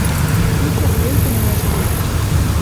Чучок вел тыменяш келеш